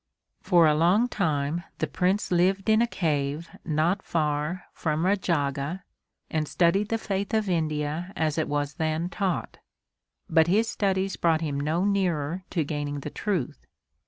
For a long time the Prince lived in a cave not far from Rajagha and studied the faith of India as it was then taught, but his studies brought him no nearer to gaining the truth.